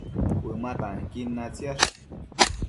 Cuëma tanquin natsiash